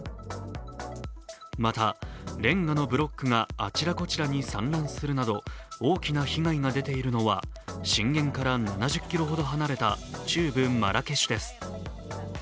また、れんがのブロックがあちらこちらに散乱するなど大きな被害が出ているのは、震源から７０ｋｍほど離れた中部マラケシュです。